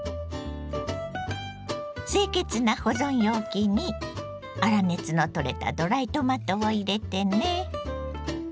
清潔な保存容器に粗熱の取れたドライトマトを入れてね。